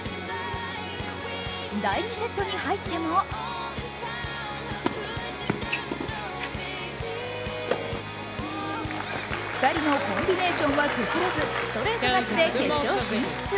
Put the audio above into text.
第２セットに入っても２人のコンビネーションは崩れずストレート勝ちで決勝進出。